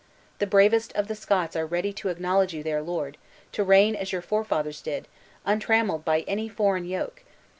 The bravest of the Scots are ready to acknowledge you their lord, to reign as your forefathers did, untrammeled by any foreign yoke.